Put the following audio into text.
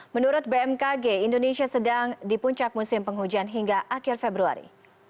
menurut bmkg indonesia sedang di puncak musim penghujan hingga akhir februari